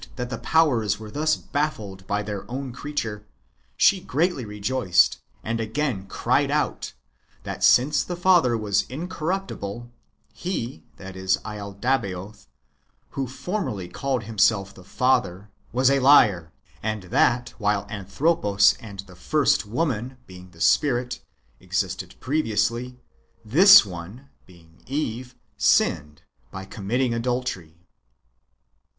that the powers were thus baffled by their own creature, she greatly rejoiced, and again cried out, that since the father was incorruptible, he (laldabaoth) who formerly called him self the father w^as a liar ; and that, while Anthropos and the first woman (the Spirit) existed previously, this one (Eve) sinned by committing adultery.